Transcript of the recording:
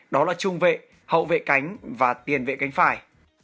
đó là trung vệ hậu vệ cánh và tiền vệ cánh phải